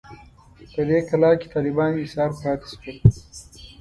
په دې کلا کې طالبان ایسار پاتې شول.